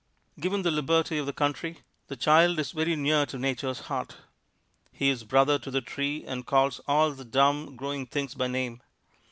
Given the liberty of the country, the child is very near to Nature's heart; he is brother to the tree and calls all the dumb, growing things by name.